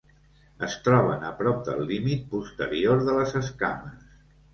Es troben a prop del límit posterior de les escames.